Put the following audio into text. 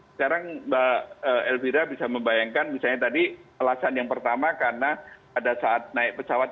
sekarang mbak elvira bisa membayangkan misalnya tadi alasan yang pertama karena pada saat naik pesawat